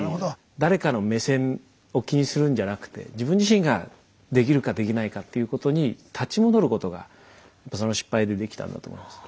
誰かの目線を気にするんじゃなくて自分自身ができるかできないかっていうことに立ち戻ることがその失敗でできたんだと思います。